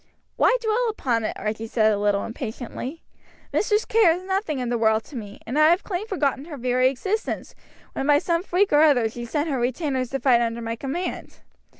"Why dwell upon it?" Archie said a little impatiently. "Mistress Kerr is nothing in the world to me, and I had clean forgotten her very existence, when by some freak or other she sent her retainers to fight under my command.